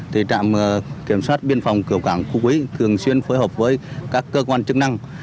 thì trạm kiểm soát biên phòng cửa cảng khu quý thường xuyên phối hợp với các cơ quan chức năng